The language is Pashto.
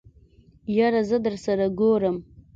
يره زه درسره ګورم.